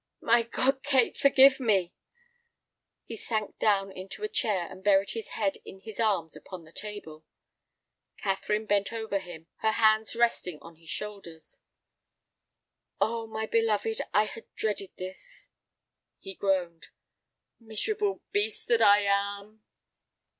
"My God, Kate, forgive me!" He sank down into a chair and buried his head in his arms upon the table. Catherine bent over him, her hands resting on his shoulders. "Oh, my beloved, I had dreaded this." He groaned. "Miserable beast that I am!"